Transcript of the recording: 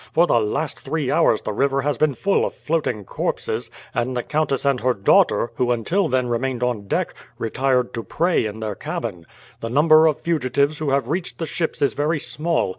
For the last three hours the river has been full of floating corpses; and the countess and her daughter, who until then remained on deck, retired to pray in their cabin. The number of fugitives who have reached the ships is very small.